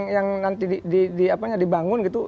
yang nanti dibangun gitu